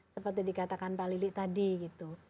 seperti dikatakan pak lili tadi gitu